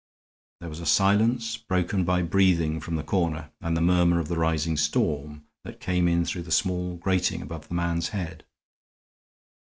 There was a silence broken by breathing from the corner and the murmur of the rising storm, that came in through the small grating above the man's head.